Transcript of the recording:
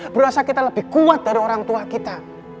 berasa kita lebih kuat dari orang tua kita